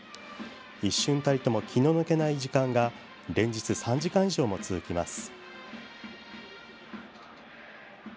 一瞬たりとも気の抜けない時間が連日、３時間以上も続きます。